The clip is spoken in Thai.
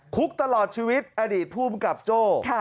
คุกตลอดชีวิตอดีตภูมิกับโจ้